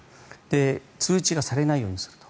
通知がされないようにすると。